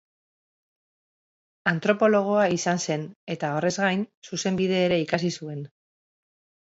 Antropologoa izan zen eta horrez gain zuzenbide ere ikasi zuen.